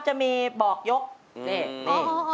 จะมีบอกยกนี่